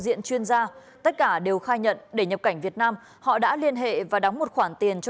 diện chuyên gia tất cả đều khai nhận để nhập cảnh việt nam họ đã liên hệ và đóng một khoản tiền cho